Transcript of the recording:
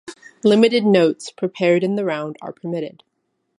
Limited notes, prepared in the round, are permitted.